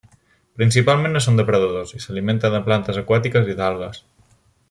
Principalment no són depredadors i s'alimenten de plantes aquàtiques i d'algues.